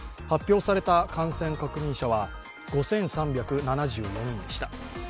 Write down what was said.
発表された感染確認者は５３７４人でした。